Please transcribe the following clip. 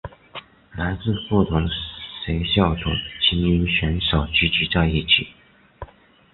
来自不同学校的菁英选手聚集在一起。